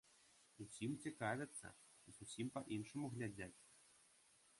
Усім цікавяцца, зусім па-іншаму глядзяць.